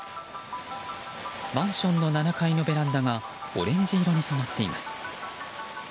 マンションの７階のベランダがオレンジ色に染まっています。